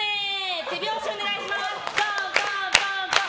手拍子お願いします！